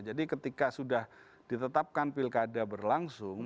jadi ketika sudah ditetapkan pilkada berlangsung